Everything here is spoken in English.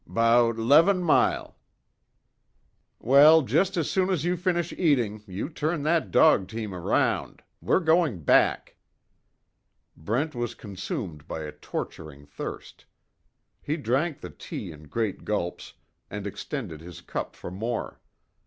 "Bout 'leven mile." "Well, just as soon as you finish eating you turn that dog team around. We're going back." Brent was consumed by a torturing thirst. He drank the tea in great gulps and extended his cup for more.